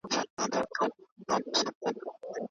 پوهان به د پرمختګ لپاره نوي او ګټور اصول وټاکي.